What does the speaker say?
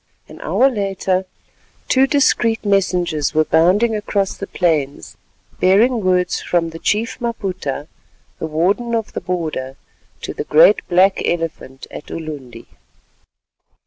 An hour later two discreet messengers were bounding across the plains, bearing words from the Chief Maputa, the Warden of the Border, to the "great Black Elephant" at Ulundi.